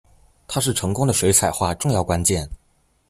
它是成功的水彩画重要关键。